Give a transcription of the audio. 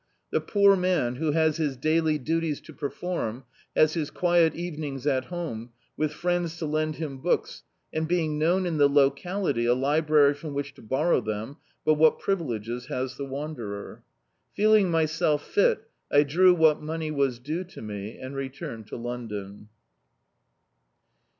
The poor man, who has his daily duties to perform, has his quiet evenings at home, with friends to lend him books, and being known in the locality, a library from which to bor row them, but what privileges has the wanderer? Feeling myself fit, I drew what money was due to me and returned to hoadxm.